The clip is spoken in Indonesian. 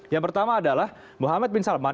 yang pertama adalah muhammad bin salman